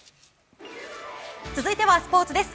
続いてはスポーツです。